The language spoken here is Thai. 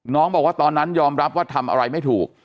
น้องบอกว่าตอนนั้นยอมรับว่าทำอะไรไม่ถูก